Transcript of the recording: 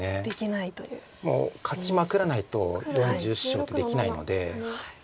もう勝ちまくらないと４０勝ってできないので。